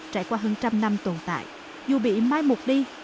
trải qua hơn trăm năm tồn tại dù bị mai một đi